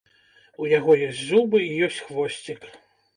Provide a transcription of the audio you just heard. У яго ёсць зубы і ёсць хвосцік!